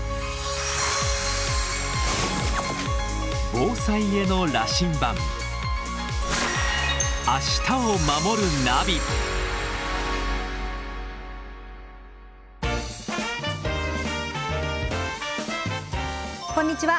防災への羅針盤こんにちは